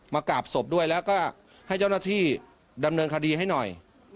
กราบศพด้วยแล้วก็ให้เจ้าหน้าที่ดำเนินคดีให้หน่อย